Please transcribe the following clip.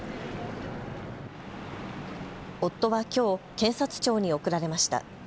夫はきょう検察庁に送られました。